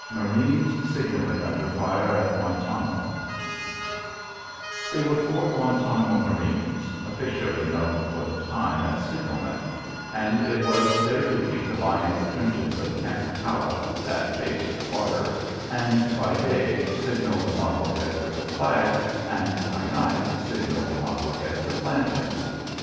MARINES SIGNALLING UNDER FIRE AT GUANTANAMO They were four Guantanamo marines, officially known for the time as signalmen, and it was their duty to lie in the trenches of Camp McCalla, that faced the water, and, by day, signal the Marblehead with a flag and, by night, signal the Marblehead with lanterns.